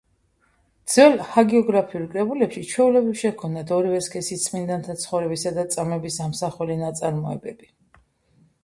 ძველ ჰაგიოგრაფიულ კრებულებში ჩვეულებრივ შეჰქონდათ ორივე სქესის წმინდანთა ცხოვრებისა და წამების ამსახველი ნაწარმოებები.